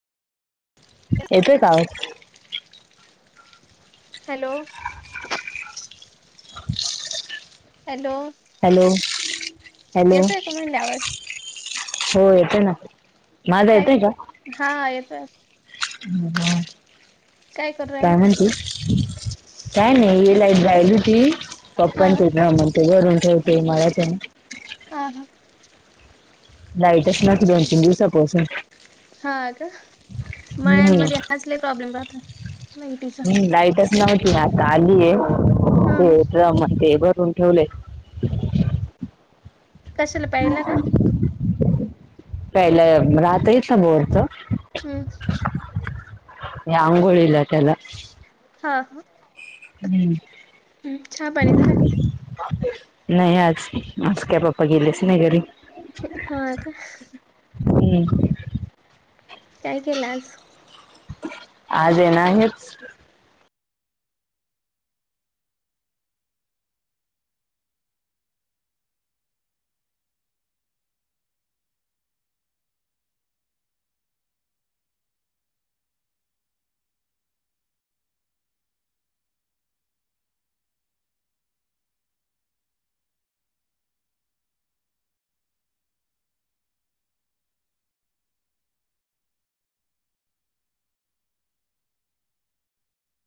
येतोय का आवाज. हॅलो. हॅलो हॅलो येतो का म्हनल आवाज. होय येतोय ना माझा काय येतोय का. हा येतोय ह. करू काय राहिला म्हणते काय नाही ये लाईट जायेल होती. हा पप्पांचे ना म्हण ते घरून ठेवते मलाच. हा हा. लाईटच नव्हती दोन तीन दिवसापासून. हा का हम्म मळ्यांमध्ये हाच लइ प्रॉब्लेम राहत. हम् लाईटच नव्हती आता आलीये हा ते हा ड्रम ते भरून ठेवले. कशाला प्यायला का प्यायला रात इथं बोरच. हम् अंघोळीला त्याला हा हा हम्म चहा पाणी झाला का [unintelligible] नाही आज आज काय पापा गेले स नाही घरी हा का. हम्म. काय केलं आज. आज आहे नाहीच.